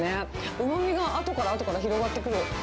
うまみが後から後から広がってくる。